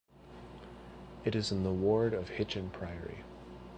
It is in the ward of Hitchin Priory.